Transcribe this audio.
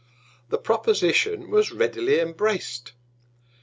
The Proposition was readily embrac'd.